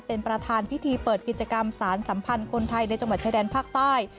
เป็นประธานพิธีเปิดกิจกรรมสารสัมพันธ์คนไทยในจังหวัดชายแดนภาคใต้